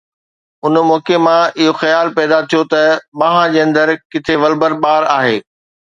ان واقعي مان اهو خيال پيدا ٿيو ته ٻانهن جي اندر ڪٿي ولبر ٻار آهي.